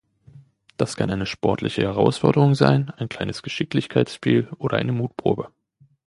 Das kann eine sportliche Herausforderung sein, ein kleines Geschicklichkeitsspiel oder eine Mutprobe.